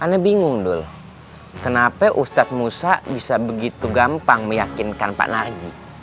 aneh bingung dul kenapa ustaz musa bisa begitu gampang meyakinkan pak narji